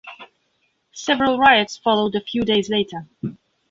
Several riots followed a few days later.